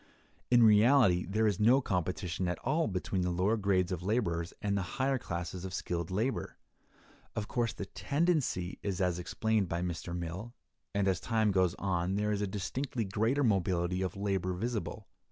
In reality there is no competition at all between the lower grades of laborers and the higher classes of skilled labor. Of course, the tendency is as explained by Mr. Mill, and as time goes on there is a distinctly greater mobility of labor visible.